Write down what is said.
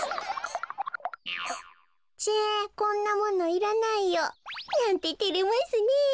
「ちぇこんなものいらないよ」なんててれますねえ。